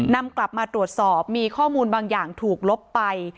นำกลับมาตรวจสอบมีข้อมูลบางอย่างถูกลบไป